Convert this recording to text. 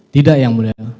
tidak ya mulia